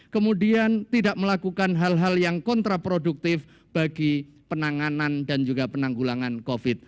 kemudian tidak melakukan hal hal yang kontraproduktif bagi penanganan dan juga penanggulangan covid sembilan